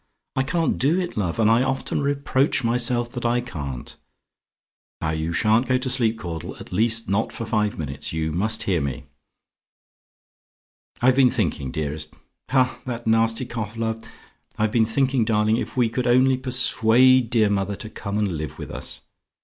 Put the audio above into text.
I can't do it, love; and I often reproach myself that I can't. Now, you shan't go to sleep, Caudle; at least not for five minutes. You must hear me. "I've been thinking, dearest ha! that nasty cough, love! I've been thinking, darling, if we could only persuade dear mother to come and live with us.